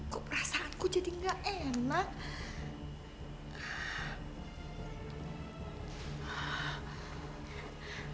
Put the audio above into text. kok perasaanku jadi gak enak